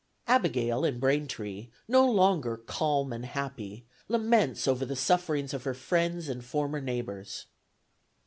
Abigail, in Braintree, no longer "calm and happy," laments over the sufferings of her friends and former neighbors.